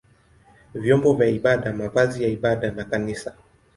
vyombo vya ibada, mavazi ya ibada na kanisa.